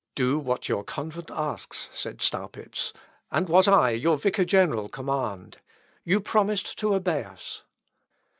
"Do what your convent asks," said Staupitz, "and what I, your vicar general, command. You promised to obey us."